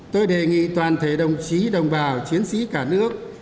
tôi đề nghị toàn thể đồng chí đồng bào chiến sĩ cả nước